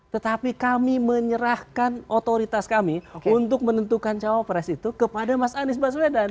tetapi kami menyerahkan otoritas kami untuk menentukan cawapres itu kepada mas anies baswedan